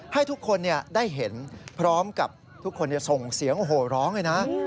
ให้ทุกคนได้เห็นพร้อมกับทุกคนส่งเสียงโอ้โหร้องเลยนะ